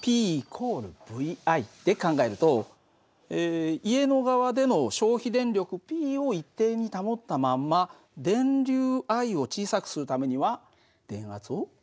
Ｐ＝ＶＩで考えると家の側での消費電力Ｐを一定に保ったまんま電流Ｉを小さくするためには電圧を？